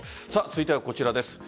続いてはこちらです。